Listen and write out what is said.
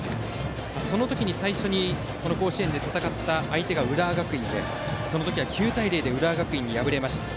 その時、最初にこの甲子園で戦った相手が浦和学院で、その時は９対０で浦和学院に敗れました。